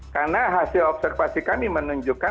karena hasil observasi kami menunjukkan